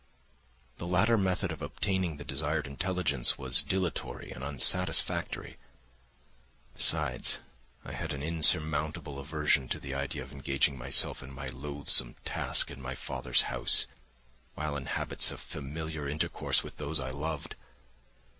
The latter method of obtaining the desired intelligence was dilatory and unsatisfactory; besides, I had an insurmountable aversion to the idea of engaging myself in my loathsome task in my father's house while in habits of familiar intercourse with those I loved.